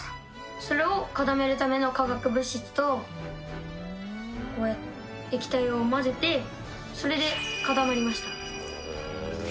それを固めるための化学物質と液体を混ぜて、それで固まりました。